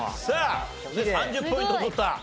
さあ３０ポイント取った。